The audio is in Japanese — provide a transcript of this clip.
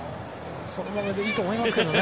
そのままでいいと思いますけどね。